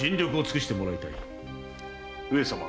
上様。